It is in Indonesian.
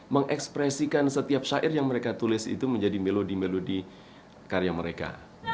mengekspresikan setiap syair yang mereka tulis itu menjadi melodi melodi karya mereka